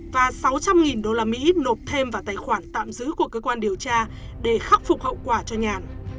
và sáu trăm linh usd nộp thêm vào tài khoản tạm giữ của cơ quan điều tra để khắc phục hậu quả cho nhàn